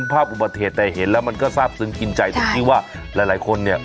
ภาพอุปเทศแต่เห็นแล้วมันก็ทราบซึ้งกินใจถึงที่ว่าหลายหลายคนเนี้ย